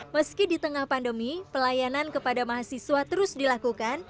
meski di tengah pandemi pelayanan kepada mahasiswa terus dilakukan